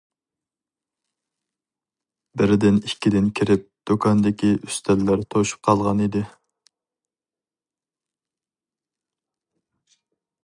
بىردىن-ئىككىدىن كىرىپ دۇكاندىكى ئۈستەللەر توشۇپ قالغان ئىدى.